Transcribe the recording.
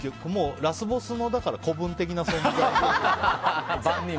ラスボスの子分的な存在というか。